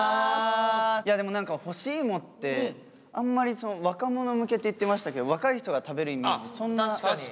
でも何か干し芋ってあんまり若者向けって言ってましたけど若い人が食べるイメージそんなね？